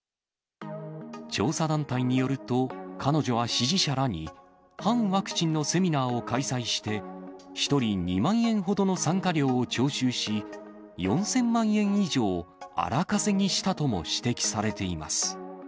調査団体によると、彼女は支持者らに、反ワクチンのセミナーを開催して、１人２万円ほどの参加料を徴収し、４０００万円以上荒稼ぎしたとも指摘されています。